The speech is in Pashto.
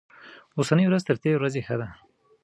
اوسنۍ ورځ تر تېرې ورځې ښه ده.